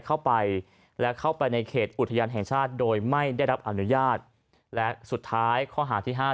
เข้าไปและเข้าไปในเขตอุทยานแห่งชาติโดยไม่ได้รับอนุญาตและสุดท้ายข้อหาที่ห้า